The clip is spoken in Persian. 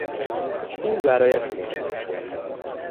پول برایش مهم است.